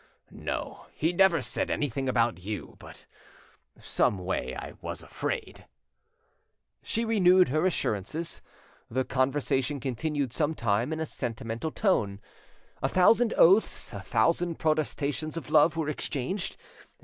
"No, he never said anything about you; but someway I was afraid." She renewed her assurances. The conversation continued some time in a sentimental tone. A thousand oaths, a thousand protestations of love were, exchanged.